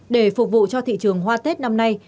để phục vụ cho thị trường hoa tết năm nay